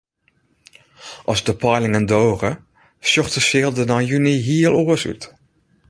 As de peilingen doge, sjocht de seal der nei juny hiel oars út.